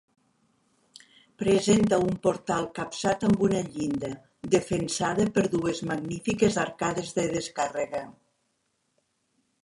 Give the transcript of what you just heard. Presenta un portal capçat amb una llinda, defensada per dues magnífiques arcades de descàrrega.